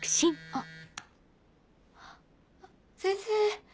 あっ先生